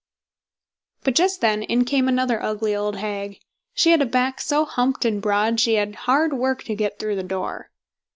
But just then in came another ugly old hag. She had a back so humped and broad, she had hard work to get through the door.